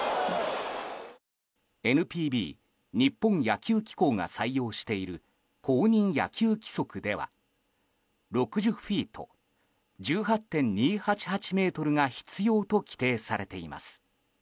ＮＰＢ・日本野球機構が採用している、公認野球規則では６０フィート１８．２８８ｍが必要と規定されています。